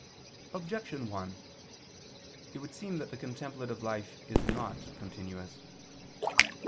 Objection 1: It would seem that the contemplative life is not continuous.